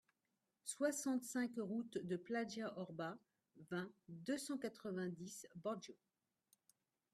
soixante-cinq route de Paglia Orba, vingt, deux cent quatre-vingt-dix, Borgo